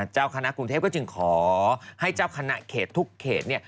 เจ้าคณะกรุงเทพก็จึงขอให้เจ้าคณะเขตทุกเขต